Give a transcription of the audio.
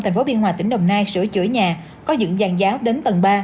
thành phố biên hòa tỉnh đồng nai sửa chữa nhà có dựng giàn giáo đến tầng ba